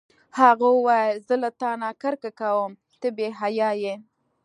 هغه وویل: زه له تا نه کرکه کوم، ته بې حیا یې.